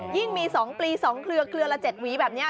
ยิ่งมีสองปีสองเครือเครือละเจ็ดหวีแบบเนี้ย